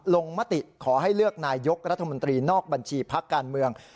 มติขอให้เลือกนายกรัฐมนตรีนอกบัญชีพักการเมือง